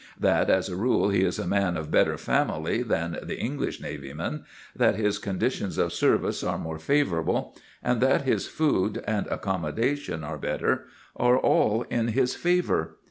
That as a rule he is a man of better family than the English navy man, that his conditions of service are more favourable, and that his food and accommodation are better, are all in his favour.